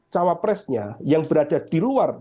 cawapresnya yang berada di luar